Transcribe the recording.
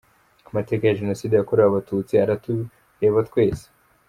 Amateka ya Jenoside yakorewe Abatutsi aratureba twese.